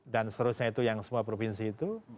dan seterusnya itu yang semua provinsi itu